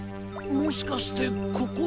もしかしてここって。